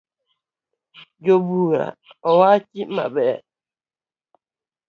Jobura owachi maber